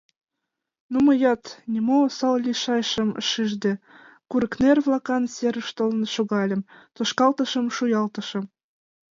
Ну, мыят, нимо осал лийшашым шижде, курыкнер-влакан серыш толын шогальым, тошкалтышым шуялтышым.